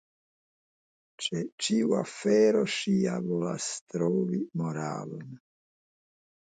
Ĉe ĉiu afero ŝi ja volas trovi moralon.